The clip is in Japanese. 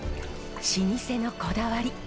老舗のこだわり。